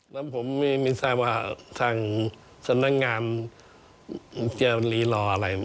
แล้วผมไม่ทราบว่าทางสำนักงานจะรีรออะไร